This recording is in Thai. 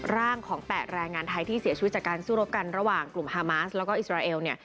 ร่างของ๘แรงงานไทยที่เสียชีวิตจากการสู้รบกันระหว่างกลุ่มฮามาสแล้วก็อิสราเอลเนี่ย